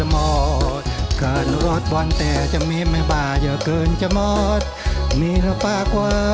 อ้อมเบาเตอร์ขอโชว์